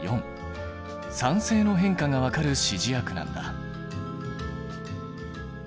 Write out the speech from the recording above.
酸性の変化が分かる指示薬なんだ。